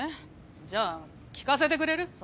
じゃあ聴かせてくれる？